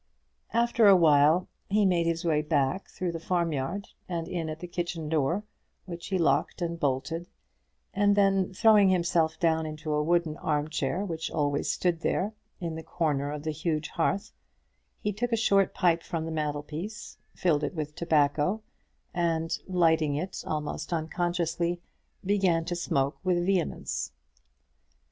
After awhile he made his way back through the farmyard, and in at the kitchen door, which he locked and bolted; and then, throwing himself down into a wooden arm chair which always stood there, in the corner of the huge hearth, he took a short pipe from the mantelpiece, filled it with tobacco, and lighting it almost unconsciously, began to smoke with vehemence.